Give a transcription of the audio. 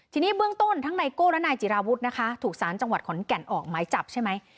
ทีนี้เบื้องต้นทั้งไนโก้และนายจิราวุฒินะคะถูกสารจังหวัดขอนแก่นออกหมายจับใช่ไหม